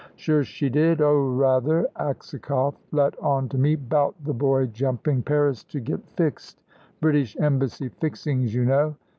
"Sure she did oh, rather! Aksakoff let on to me 'bout the boy jumping Paris to get fixed British Embassy fixings, you know.